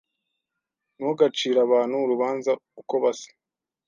Ntugacire abantu urubanza uko basa.